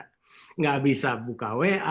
tidak bisa buka wa